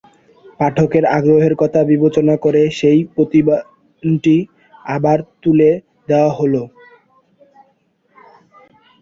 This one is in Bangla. পাঠকের আগ্রহের কথা বিবেচনা করে সেই প্রতিবেদনটি আবারও তুলে দেওয়া হলো।